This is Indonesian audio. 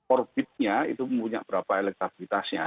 orbitnya itu punya berapa elektabilitasnya